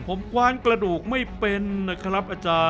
ผมกว้านกระดูกไม่เป็นนะครับอาจารย์